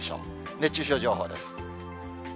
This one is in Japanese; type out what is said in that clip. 熱中症情報です。